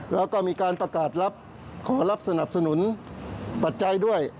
แล้วก็มีการประกาศรับขอรับสนับสนุนปัจจัยด้วย